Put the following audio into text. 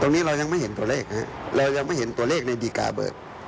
ตรงนี้เรายังไม่เห็นตัวเลขนะครับเรายังไม่เห็นตัวเลขในดีการ์เบิก